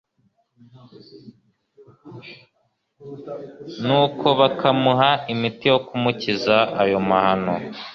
Nuko bakamuha imiti yo kumukiza ayo mahano